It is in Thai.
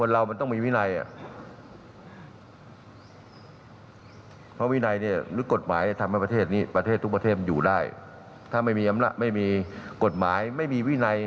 ถ้าไม่มีอำนาจไม่มีกฎหมายไม่มีวินัย